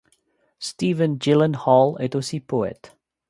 Stephen Gyllenhaal est aussi poète.